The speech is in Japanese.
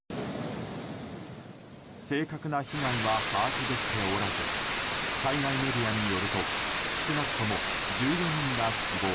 正確な被害は把握できておらず海外メディアによると少なくとも１４人が死亡。